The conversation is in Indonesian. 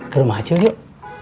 ke rumah acil yuk